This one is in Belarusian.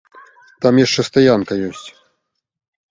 Там яшчэ стаянка ёсць.